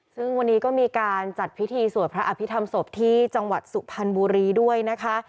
ซึ่งวันนี้ก็มีการจัดพิธีสวดพระอภิษฐรรมศพที่จังหวัดสุพรรณบุรีด้วยนะคะ